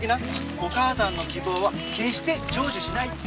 お母さんの希望は決して成就しないって。